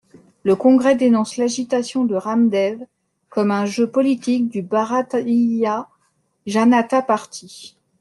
Le Congrès dénonce l'agitation de Ramdev comme un jeu politique du Bharatiya Janata Party.